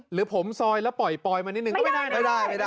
หรือผมซอยแล้วปล่อยมานิดนึงก็ไม่ได้นะ